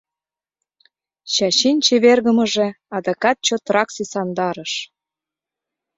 Чачин чевергымыже адакат чотрак сӱсандарыш.